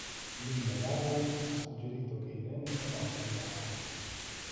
Lynda Garland ha suggerito che Irene sia morta di parto.